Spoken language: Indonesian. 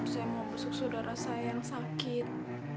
saya mau saudara saya yang sakit